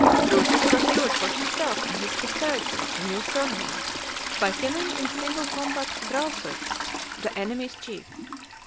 Drusus procured for himself and his posterity a new surname, by killing in single combat Drausus, the enemy's chief.